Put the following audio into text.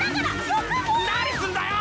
何すんだよ！